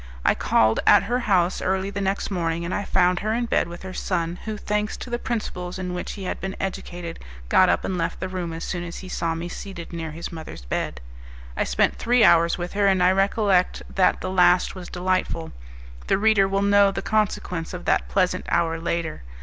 I called at her house early the next morning, and I found her in bed with her son, who, thanks to the principles in which he had been educated, got up and left the room as soon as he saw me seated near his mother's bed. I spent three hours with her, and I recollect that the last was delightful; the reader will know the consequence of that pleasant hour later.